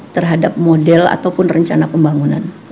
terhadap model ataupun rencana pembangunan